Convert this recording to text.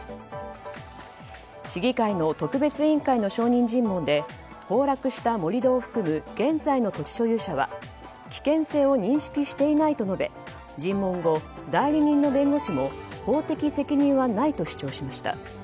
市議会の特別委員会の証人尋問で崩落した盛り土を含む現在の土地所有者は危険性を認識していないと述べ尋問後代理人の弁護士も法的責任はないと主張しました。